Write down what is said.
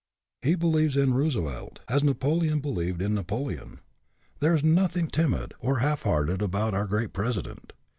He believes in Roosevelt, as Napoleon believed in Napoleon. There is nothing timid or half hearted about our great president.